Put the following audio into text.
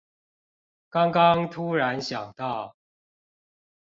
剛剛突然想到